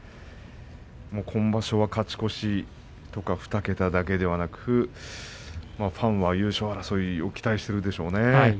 今場所は勝ち越しとか２桁だけではなくファンは優勝争いを期待しているでしょうね。